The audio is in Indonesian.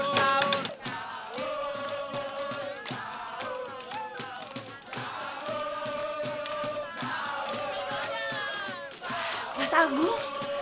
lagi kita beda sahur